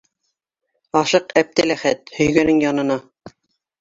Ашыҡ, Әптеләхәт, һөйгәнең янына!